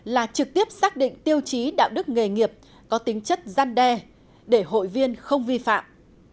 là trực tiếp xác định tiêu chí đạo đức nghề nghiệp có tính chất gian đe để hội viên không vi phạm